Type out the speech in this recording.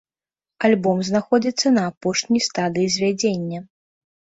Альбом знаходзіцца на апошняй стадыі звядзення.